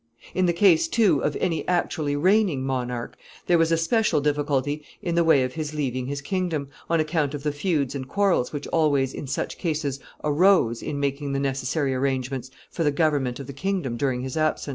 In the case, too, of any actually reigning monarch, there was a special difficulty in the way of his leaving his kingdom, on account of the feuds and quarrels which always in such cases arose in making the necessary arrangements for the government of the kingdom during his absence.